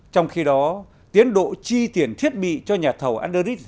trong khi đó tiến độ chi tiền thiết bị cho nhà thầu anderrics